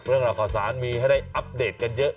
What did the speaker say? เรื่องราวข่าวสารมีให้ได้อัปเดตกันเยอะ